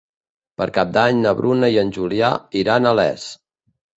Per Cap d'Any na Bruna i en Julià iran a Les.